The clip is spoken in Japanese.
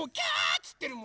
つってるもん。